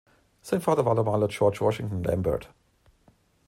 Sein Vater war der Maler George Washington Lambert.